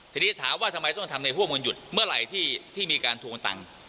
ทีนี้ถามว่าทำไมต้องทำในห่วงวันหยุดเมื่อไหร่ที่มีการทวงตังค์